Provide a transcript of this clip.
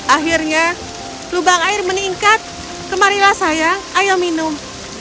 akhirnya lubang air meningkat kemarilah saya ayo minum